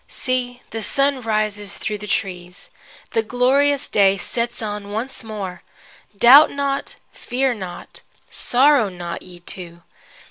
See, the sun rises through the trees. The glorious day sets on once more. Doubt not, fear not, sorrow not, ye two.